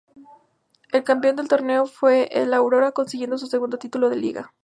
El campeón del torneo fue el Aurora, consiguiendo su segundo título de liga.